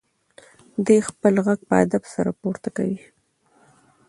دی خپل غږ په ادب سره پورته کوي.